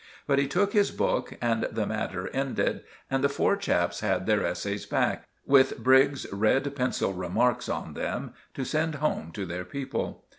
But he took his book, and the matter ended, and the four chaps had their essays back, with Briggs's red pencil remarks on them, to send home to their people.